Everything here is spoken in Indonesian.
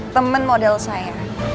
temen model saya